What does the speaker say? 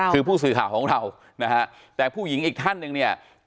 คือผู้สื่อข่าวของเรานะฮะแต่ผู้หญิงอีกท่านหนึ่งเนี่ย